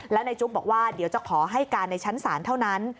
แล้วในจุ๊บบอกว่าเดี๋ยวจะขอให้การในชั้นศาลเท่านั้น